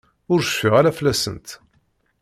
Ur cfiɣ ara fell-asent.